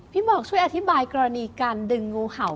หมอกช่วยอธิบายกรณีการดึงงูเห่า